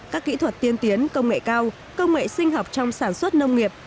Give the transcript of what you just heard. các kỹ thuật tiên tiến công nghệ cao công nghệ sinh học trong sản xuất nông nghiệp